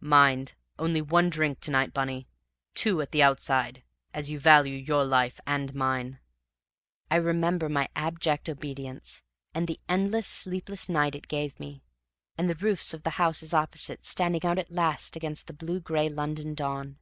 "Mind, only one drink to night, Bunny. Two at the outside as you value your life and mine!" I remember my abject obedience; and the endless, sleepless night it gave me; and the roofs of the houses opposite standing out at last against the blue gray London dawn.